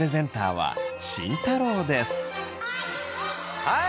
はい！